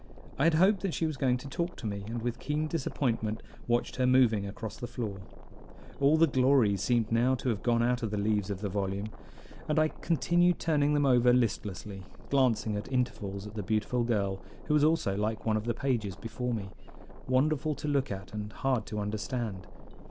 I had hoped that she was going to talk to me, and with keen disappointment watched her moving across the floor. All the glory seemed now to have gone out of the leaves of the volume, and I continued turning them over listlessly, glancing at intervals at the beautiful girl, who was also like one of the pages before me, wonderful to look at and hard to understand.